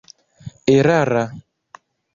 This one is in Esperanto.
erara